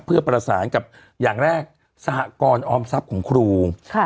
เพื่อประสานกับอย่างแรกสหกรออมทรัพย์ของครู